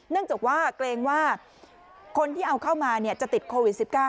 จากว่าเกรงว่าคนที่เอาเข้ามาจะติดโควิด๑๙